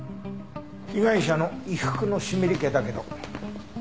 被害者の衣服の湿り気だけど。